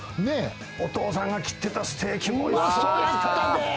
お父さんが切ってたステーキ、うまそう！